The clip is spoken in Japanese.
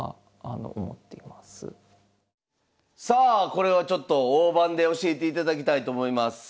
これをちょっと大盤で教えていただきたいと思います。